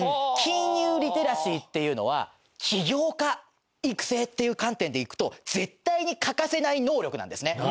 金融リテラシーっていうのは起業家育成っていう観点でいくと絶対に欠かせない能力なんですね。